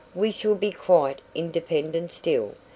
"We shall be quite independent still.